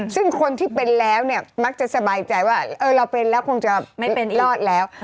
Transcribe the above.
ซึ่งคนที่เป็นแล้วมักจะสบายใจว่าเออเราเป็นแล้วคงจะรอดแล้ว